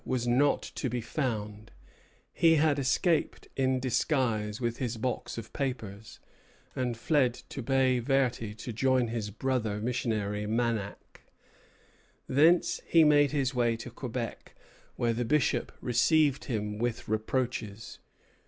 Le Loutre was not to be found; he had escaped in disguise with his box of papers, and fled to Baye Verte to join his brother missionary, Manach. Thence he made his way to Quebec, where the Bishop received him with reproaches.